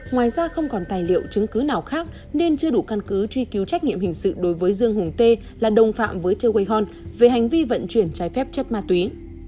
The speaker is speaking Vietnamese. ngoài ra không còn tài liệu chứng cứ nào khác nên chưa đủ căn cứ truy cứu trách nhiệm hình sự đối với dương hùng tê là đồng phạm với the hon về hành vi vận chuyển trái phép chất ma túy